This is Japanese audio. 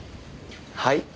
はい？